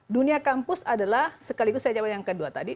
dunia kampus adalah sekaligus saya jawab yang kedua tadi